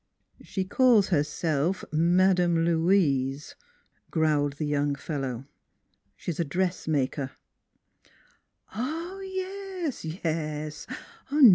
" She calls herself Madam Louise," growled the young fellow; " she's a dressmaker." "Ah, yes, yes!